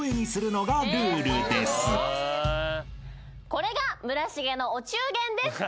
これが村重のお中元です！